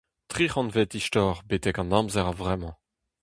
Tri c'hantved istor betek an amzer a vremañ !